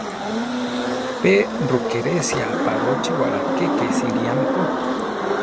Pe Rukerésia apalóchiwala keke siríame ko.